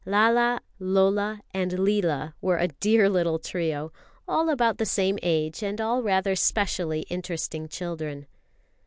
Lala, Lola, and Leela were a dear little trio, all about the same age, and all rather specially interesting children.